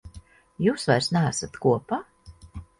Jūs vairs neesat kopā?